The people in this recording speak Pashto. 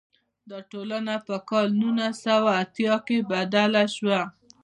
دا ټولنه په کال نولس سوه اتیا کې بدله شوه.